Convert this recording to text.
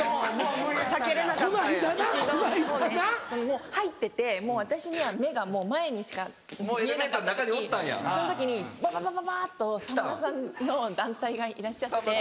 もう入っててもう私には目がもう前にしか見えなかった時その時にバババババっとさんまさんの団体がいらっしゃって。